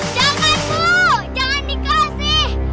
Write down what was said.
jangan bu jangan dikasih